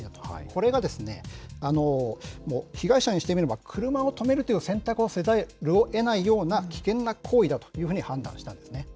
これがですね、もう被害者にしてみれば、車を止めるという選択をせざるをえないような危険な行為だというふうに判断したんですね。